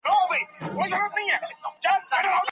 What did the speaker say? که عدالت وي خلګ به خوشحاله وي.